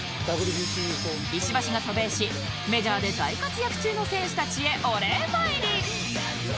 石橋が渡米しメジャーで大活躍中の選手たちへお礼参り